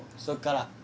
そっから？